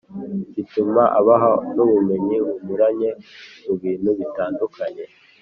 bituma abaha n’ubumenyi bunyuranye mu bintu bitandukanye